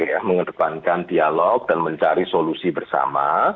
kita harus mengedepankan dialog dan mencari solusi bersama